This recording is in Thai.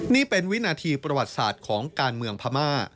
นี่เป็นวินาทีประวัติศาสตร์ของการเมืองพม่า